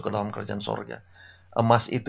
ke dalam kerjaan sorga emas itu